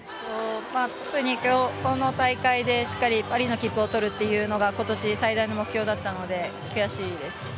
特に、この大会でしっかりパリの切符を取るというのが今年最大の目標だったので悔しいです。